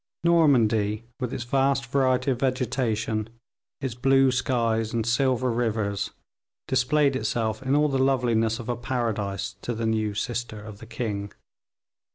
Normandy, with its vast variety of vegetation, its blue skies and silver rivers, displayed itself in all the loveliness of a paradise to the new sister of the king.